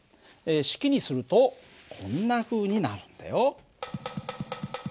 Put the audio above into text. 式にするとこんなふうになるんだよ。